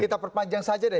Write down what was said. kita perpanjang saja deh